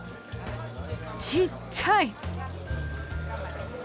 ちっちゃい！